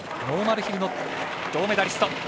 ノーマルヒルの銅メダリスト。